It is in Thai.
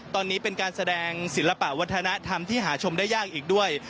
ตอนนี้เป็นการแสดงศิลปะวัฒนธรรมที่หาชมได้ยากอีกด้วย